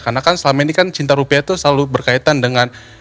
karena kan selama ini kan cinta rupiah itu selalu berkaitan dengan